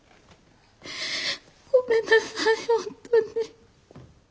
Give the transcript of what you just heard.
ごめんなさい本当に。